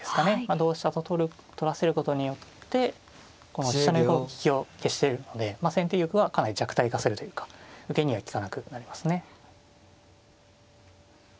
同飛車と取らせることによってこの飛車の横利きを消してるので先手玉はかなり弱体化するというか受けには利かなくなりますね。